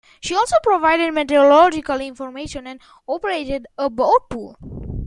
She also provided meteorological information and operated a boat pool.